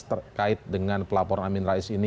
terkait dengan pelaporan amin rais ini